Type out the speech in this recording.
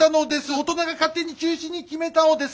大人が勝手に中止に決めたのです。